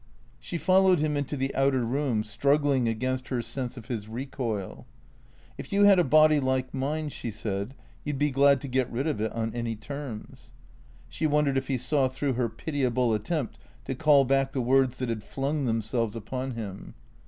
She followed him into the outer room, struggling against her sense of his recoil. " If you had a body like mine," she said, " you 'd be glad to get rid of it on any terms," She wondered if he saw through her pitiable attempt to call back the words that had flung them selves upon him.